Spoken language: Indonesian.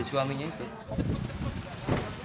si suaminya itu